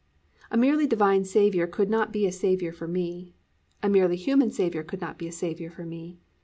A merely divine Saviour could not be a Saviour for me. A merely human Saviour could not be a Saviour for me.